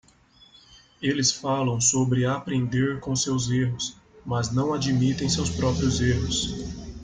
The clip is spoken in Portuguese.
Eles falam sobre aprender com seus erros, mas não admitem seus próprios erros.